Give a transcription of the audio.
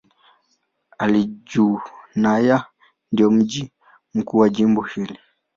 Al-Junaynah ndio mji mkuu wa jimbo hili.